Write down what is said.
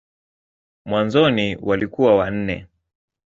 Mwanzoni walikuwa wanne.